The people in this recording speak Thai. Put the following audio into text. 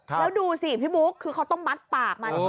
แล้วดูสิพี่บุ๊คคือเขาต้องมัดปากมัน